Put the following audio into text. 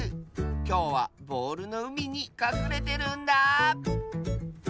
きょうはボールのうみにかくれてるんだあ。